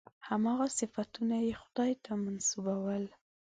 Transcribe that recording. هماغه صفتونه یې خدای ته منسوبول.